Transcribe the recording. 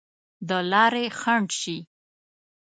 د لارې خنډ شي.